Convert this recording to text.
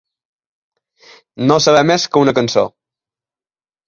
No saber més que una cançó.